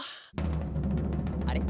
あれ？